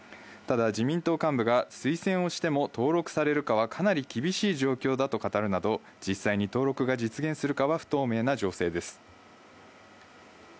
ただ自民党幹部が推薦をしても登録されるかはかなり厳しい状況だと語るなど、実際に登録が実現するかは不透明な情勢です。